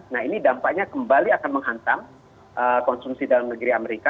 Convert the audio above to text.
nah ini dampaknya kembali akan menghantam konsumsi dalam negeri amerika